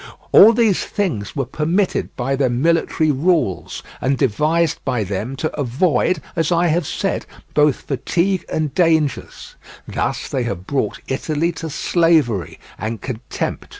All these things were permitted by their military rules, and devised by them to avoid, as I have said, both fatigue and dangers; thus they have brought Italy to slavery and contempt.